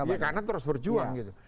iya karena terus berjuang gitu